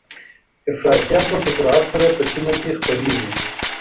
افراطيت به په سرعت سره په سیمه کې خپریږي